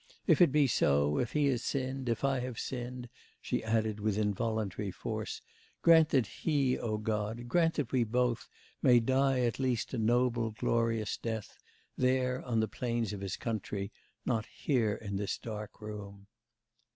If it be so, if he has sinned, if I have sinned,' she added with involuntary force, 'grant that he, O God, grant that we both, may die at least a noble, glorious death there, on the plains of his country, not here in this dark room.